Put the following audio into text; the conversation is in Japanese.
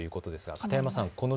片山さん。